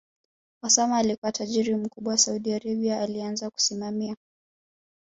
Osama alikua tajiri mkubwa Saudi Arabia alianza kusimamia